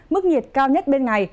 mức nhiệt cao nhất bên ngày